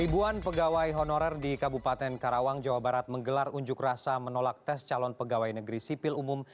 ribuan pegawai honorer di kabupaten karawang jawa barat menggelar unjuk rasa menolak tes calon pegawai negeri sipil umum